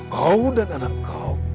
kau dan anak kau